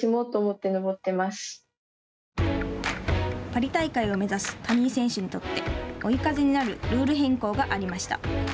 パリ大会を目指す谷井選手にとって追い風になるルール変更がありました。